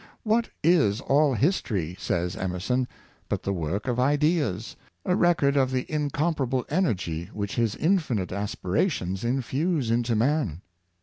" What is all his tory," says Emerson, " but the work of ideas, a record of the incomparable energy which his infinite aspira tions infuse into man.